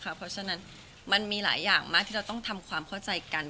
เพราะฉะนั้นมันมีหลายอย่างมากที่เราต้องทำความเข้าใจกัน